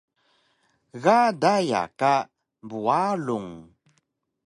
Ga daya ka Buarung